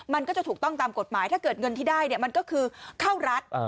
มันก็จะถูกต้องตามกฎหมายถ้าเกิดเงินที่ได้มันก็คือเข้ารัฐ